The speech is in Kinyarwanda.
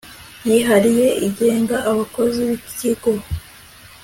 YIHARIYE IGENGA ABAKOZI B IKIGO